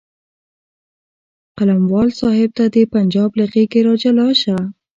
قلموال صاحب ته د پنجاب له غېږې راجلا شه.